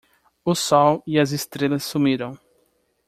O sol e as estrelas sumiram